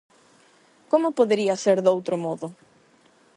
Como podería ser doutro modo?